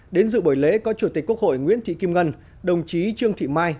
đến dự buổi lễ có chủ tịch quốc hội nguyễn thị kim ngân đồng chí trương thị mai